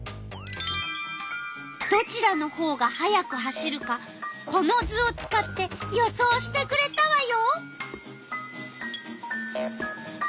どちらのほうが速く走るかこの図を使って予想してくれたわよ。